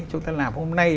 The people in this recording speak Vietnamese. chúng ta làm hôm nay